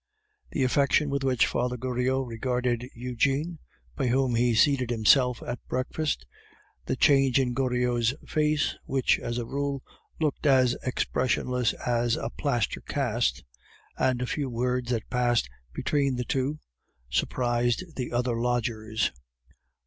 The affection with which Father Goriot regarded Eugene, by whom he seated himself at breakfast, the change in Goriot's face, which as a rule, looked as expressionless as a plaster cast, and a few words that passed between the two, surprised the other lodgers.